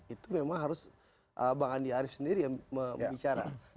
itu memang harus bang andi arief sendiri yang membicara